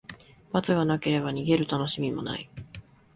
罰がなければ、逃げるたのしみもない。